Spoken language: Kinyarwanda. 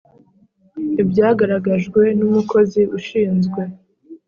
Ibyagaragajwe n umukozi ushinzwe